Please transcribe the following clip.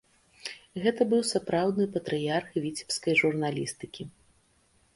Гэта быў сапраўдны патрыярх віцебскай журналістыкі.